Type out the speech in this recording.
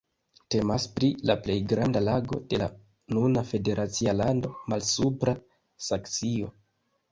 Temas pri la plej granda lago de la nuna federacia lando Malsupra Saksio.